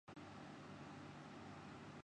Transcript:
خان صاحب کے دورہ امریکہ کا حاصل یہی ایک جملہ ہے۔